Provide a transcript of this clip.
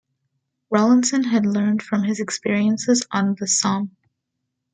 Rawlinson had learned from his experiences on the Somme.